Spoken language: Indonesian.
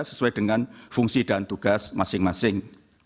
sesuai dengan fungsi dan tugas masing masing